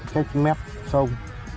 cách mép sông